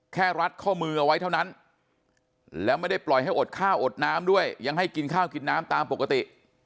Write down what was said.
รัดข้อมือเอาไว้เท่านั้นแล้วไม่ได้ปล่อยให้อดข้าวอดน้ำด้วยยังให้กินข้าวกินน้ำตามปกติ